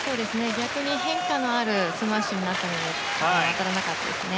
逆に変化のあるスマッシュになったので当たらなかったですね。